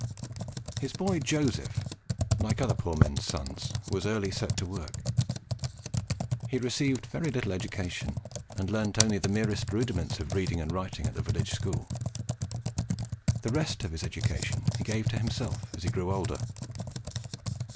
His boy Joseph, like other poor men's sons, was early set to work. He received very little education, and learnt only the merest rudiments of reading and writing at the village school. The rest of his education he gave to himself as he grew older.